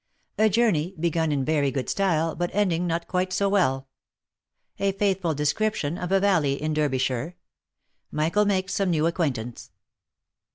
A JOURNEY, BEGUN IN VERY GOOD STYLE, BUT ENDING NOT QUITE SO WELL A FAITHFUL DESCRIPTION OF A VALLEY IN DERBY SHIRE — MICHAEL MAKES SOME NEW ACQUAINTANCE.